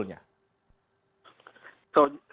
apa yang mereka ingin sampaikan